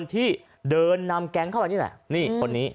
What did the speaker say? คือ๑๒ปีคนที่เดินนำแก๊งเข้าไปตรงนี้